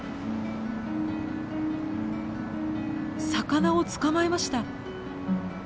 魚を捕まえました。